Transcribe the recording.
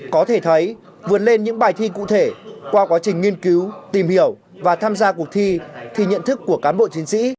có thể thấy vươn lên những bài thi cụ thể qua quá trình nghiên cứu tìm hiểu và tham gia cuộc thi thì nhận thức của cán bộ chiến sĩ